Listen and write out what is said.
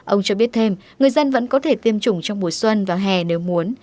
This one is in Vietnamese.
ông cho biết thêm người dân vẫn có thể tiêm chủng trong mùa xuân và hè nếu muốn